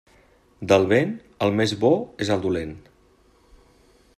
Del vent, el més bo és el dolent.